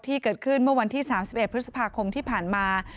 ที่เกิดขึ้นเมื่อวันที่๓๑พฤษภาคมที่ผ่านมา